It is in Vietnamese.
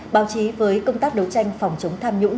báo chí với công tác đấu tranh phòng chống tham nhũng